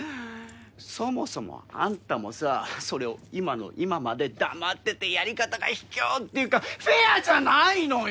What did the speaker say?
そもそもあんたもさそれを今の今まで黙っててやり方がひきょうっていうかフェアじゃないのよ！